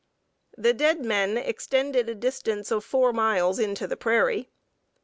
The "dead men" extended a distance of 4 miles into the prairie.